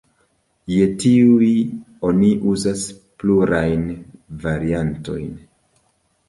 Je tiuj oni uzas plurajn variantojn.